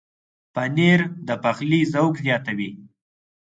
پنېر د پخلي ذوق زیاتوي.